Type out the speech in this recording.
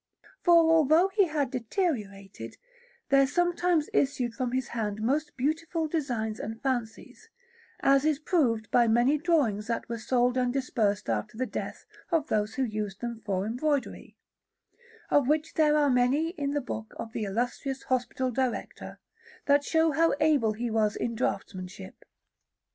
For although he had deteriorated, there sometimes issued from his hand most beautiful designs and fancies, as is proved by many drawings that were sold and dispersed after the death of those who used them for embroidery; of which there are many in the book of the illustrious hospital director, that show how able he was in draughtsmanship.